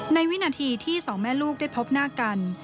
วินาทีที่สองแม่ลูกได้พบหน้ากัน